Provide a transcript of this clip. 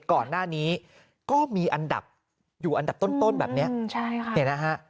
ก่อนหน้านี้ก็มีอันดับอยู่อันดับต้นแบบเนี้ย